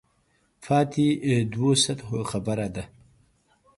پاتې دوو سطحو خبره ده.